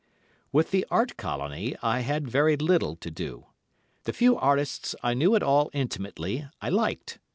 With the Art Colony I had very little to do. The few artists I knew at all intimately I liked.